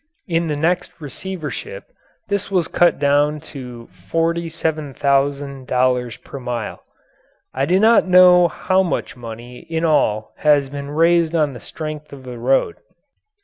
In the next receivership this was cut down to $47,000 per mile. I do not know how much money in all has been raised on the strength of the road.